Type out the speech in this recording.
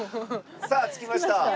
さあ着きました。